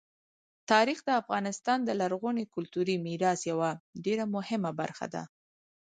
تاریخ د افغانستان د لرغوني کلتوري میراث یوه ډېره مهمه برخه ده.